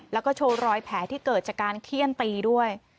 แล้วก็โชว์รอยแผลที่เกิดจากการเขี้ยนตีด้วย